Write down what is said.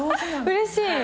うれしい。